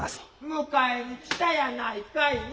迎えに来たやないかいな。